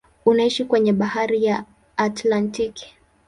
Unaishia kwenye bahari ya Atlantiki.